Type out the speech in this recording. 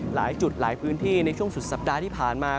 หลายจุดหลายพื้นที่ในช่วงสุดสัปดาห์ที่ผ่านมา